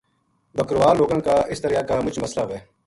بکروال لوکاں اس طرحیا کا مچ مسلہ ہووے